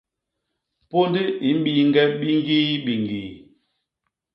Pôndi i mbiiñge biñgiibiñgii.